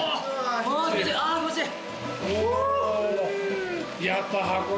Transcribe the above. あ気持ちいい。